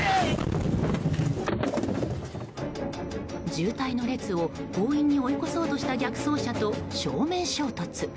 渋滞の列を強引に追い越そうとした逆走車と正面衝突。